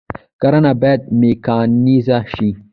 کرنه باید میکانیزه شي